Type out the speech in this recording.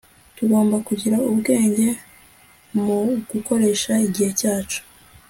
Tugomba kugira ubwenge mu gukoresha igihe cyacu